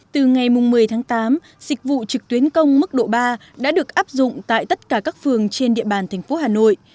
từ ngày một mươi tháng tám dịch vụ trực tuyến công mức độ ba đã được áp dụng tại tất cả các phường trên địa bàn thành phố hà nội